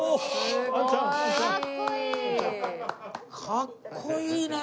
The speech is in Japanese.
かっこいいね！